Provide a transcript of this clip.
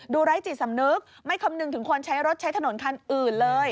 ไร้จิตสำนึกไม่คำนึงถึงคนใช้รถใช้ถนนคันอื่นเลย